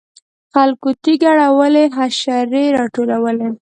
خلکو تیږې اړولې حشرې راټولولې.